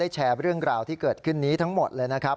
แชร์เรื่องราวที่เกิดขึ้นนี้ทั้งหมดเลยนะครับ